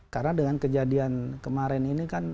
karena dengan kejadian kemarin ini kan ya